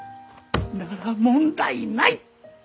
なら問題ない！